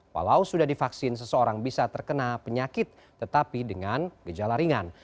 walau sudah divaksin seseorang bisa terkena penyakit tetapi dengan gejala ringan